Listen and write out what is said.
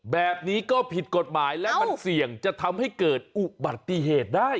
แบบนี้ก็ผิดกฎหมายและมันเสี่ยงจะทำให้เกิดอุบัติเหตุได้